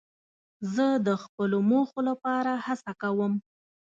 زه د خپلو موخو لپاره هڅه کوم.